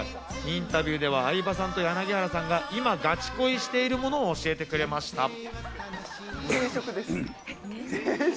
インタビューでは相葉さんと柳原さんが今、ガチ恋しているものを教えてくれました。